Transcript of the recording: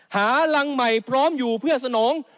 หารังใหม่พร้อมอยู่เพื่อสนอง